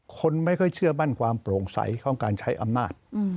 คนไม่ค่อยเชื่อมั่นความโปร่งใสของการใช้อำนาจ